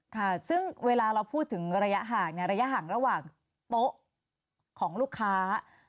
ค่ะซึ่งเวลาเราพูดถึงระยะห่างเนี่ยระยะห่างระหว่างโต๊ะของลูกค้า